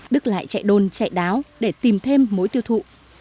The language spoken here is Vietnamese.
đức lại chạy đôn chạy đáo để tìm thêm mối tiêu thụ